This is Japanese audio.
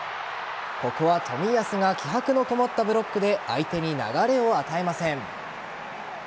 ここは冨安が気迫のこもったブロックで相手に流れを与えません。